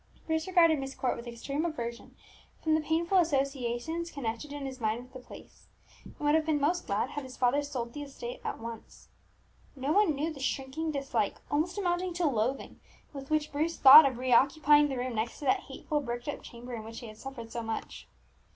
Bruce regarded Myst Court with extreme aversion, from the painful associations connected in his mind with the place, and would have been most glad had his father sold the estate at once. No one knew the shrinking dislike, almost amounting to loathing, with which Bruce thought of reoccupying the room next to that hateful bricked up chamber in which he had suffered so much.